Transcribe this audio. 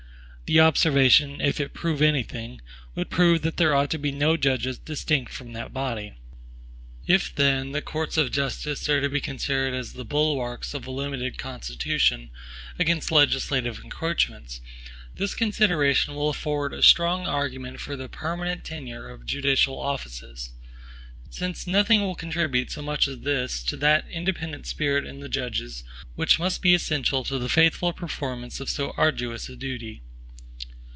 The observation, if it prove any thing, would prove that there ought to be no judges distinct from that body. If, then, the courts of justice are to be considered as the bulwarks of a limited Constitution against legislative encroachments, this consideration will afford a strong argument for the permanent tenure of judicial offices, since nothing will contribute so much as this to that independent spirit in the judges which must be essential to the faithful performance of so arduous a duty.